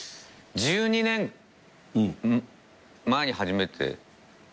１２年前に初めて。